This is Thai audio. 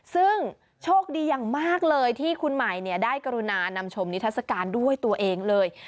ซึ่งโชคดีอย่างมากเลยที่คุณใหม่ได้กรุณานำชมนิทัศกาลด้วยตัวเองเลย